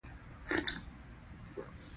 هیچا د سلطان جلال الدین خلجي ژبه نه ده ویلي.